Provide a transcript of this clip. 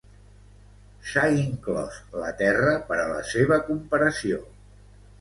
S'ha inclòs la Terra per a la seva comparació.